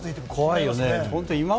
怖いよね。